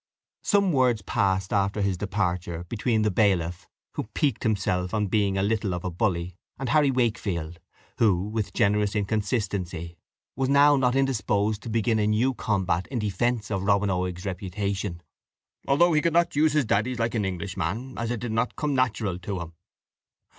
Some words passed after his departure between the bailiff, who piqued himself on being a little of a bully, and Harry Wakefield, who, with generous inconsistency, was now not indisposed to begin a new combat in defence of Robin Oig's reputation, "although he could not use his daddies like an Englishman, as it did not come natural to him."